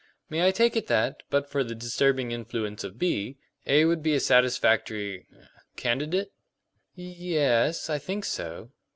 "May I take it that, but for the disturbing influence of B, A would be a satisfactory er candidate?" "Ye es; I think so."